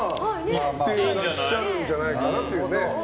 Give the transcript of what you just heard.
いってらっしゃるんじゃないかと。